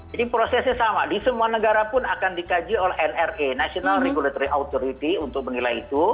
jadi prosesnya sama di semua negara pun akan dikaji oleh nra national regulatory authority untuk menilai itu